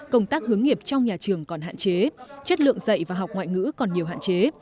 công tác hướng nghiệp trong nhà trường còn hạn chế chất lượng dạy và học ngoại ngữ còn nhiều hạn chế